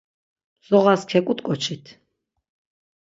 Mzoğas keǩut̆ǩoçit.